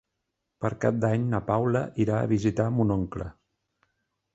Per Cap d'Any na Paula irà a visitar mon oncle.